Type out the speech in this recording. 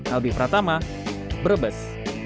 albi pratama brebes